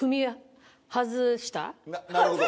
なるほど。